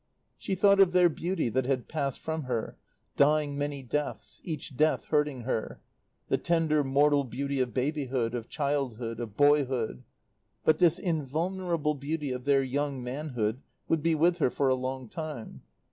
She thought of their beauty that had passed from her, dying many deaths, each death hurting her; the tender mortal beauty of babyhood, of childhood, of boyhood; but this invulnerable beauty of their young manhood would be with her for a long time.